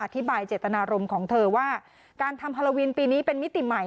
อธิบายเจตนารมณ์ของเธอว่าการทำฮาโลวินปีนี้เป็นมิติใหม่